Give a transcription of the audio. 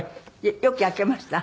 よく焼けました？